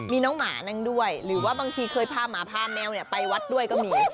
มีน้องหมานั่งด้วยหรือว่าบางทีเคยพาหมาพาแมวไปวัดด้วยก็มี